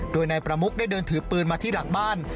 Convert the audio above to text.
โดยนายประมุกได้เดินถือปืนมาที่หลังบ้าน